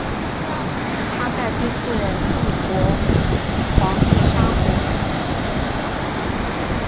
他在第四任帝国皇帝沙胡。